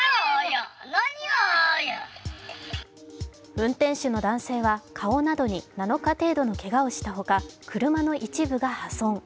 運転手の男性は顔などに７日程度のけがをしたほか車の一部が破損。